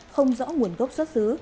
không rõ nguồn gốc xuất xứ